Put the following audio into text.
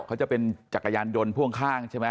เขาจะเป็นจักรยานยนต์พ่วงข้างใช่ไหม